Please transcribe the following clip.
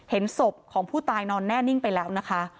เห็นศพของผู้ตายนอนแน่นิ่งไปแล้วนะคะ